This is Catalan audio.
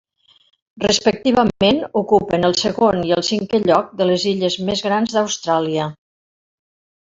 Respectivament ocupen el segon i el cinquè lloc de les illes més grans d'Austràlia.